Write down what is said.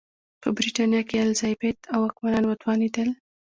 په برېټانیا کې الیزابت او واکمنان وتوانېدل.